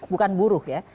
bukan buruh ya